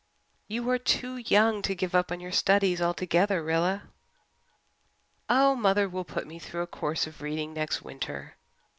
"You are too young to give up your studies altogether, Rilla." "Oh, mother will put me through a course of reading next winter.